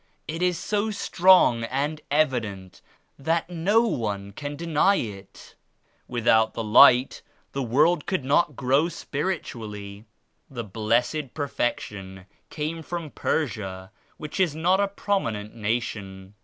It is so strong and evident that no one can deny it. Without this Light the world could not grow spiritually. The Blessed Perfection came from Persia which is not a prominent na tion.